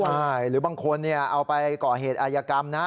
ใช่หรือบางคนเอาไปก่อเหตุอายกรรมนะ